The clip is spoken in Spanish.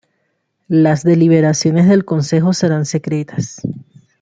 Las deliberaciones del Consejo serán secretas.